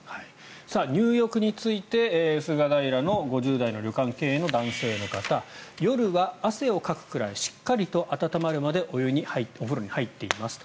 入浴について、菅平の５０代の旅館経営の男性の方夜は汗をかくくらいしっかりと温まるまでお風呂に入っていますと。